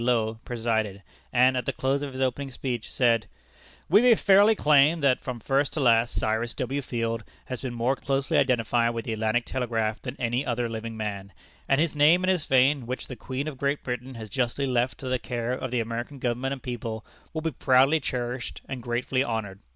Low, presided, and, at the close of his opening speech, said: "We may fairly claim that, from first to last, Cyrus W. Field has been more closely identified with the Atlantic Telegraph than any other living man; and his name and his fame, which the Queen of Great Britain has justly left to the care of the American government and people, will be proudly cherished and gratefully honored.